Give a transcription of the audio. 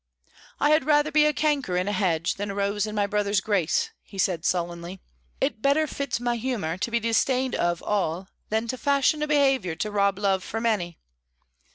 "I had rather be a canker in a hedge than a rose in my brother's grace," he said sullenly. "It better fits my humour to be disdained of all than to fashion a behaviour to rob love from any.